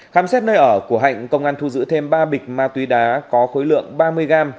khám xét nơi ở của hạnh công an thu giữ thêm ba bịch ma túy đá có khối lượng ba mươi g